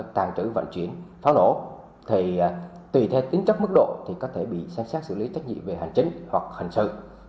tàn trữ vận chuyển pháo nổ thì tùy theo tính chất mức độ thì có thể bị xem xét xử lý trách nhiệm về hành chính hoặc hành sự